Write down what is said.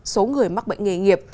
số người mắc bệnh nghề nghiệp